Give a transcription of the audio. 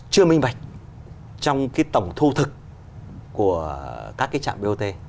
chưa minh bạch trong cái tổng thu thực của các cái trạm bot